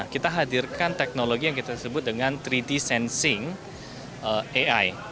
kita hadirkan teknologi yang kita sebut dengan tiga d sensing ai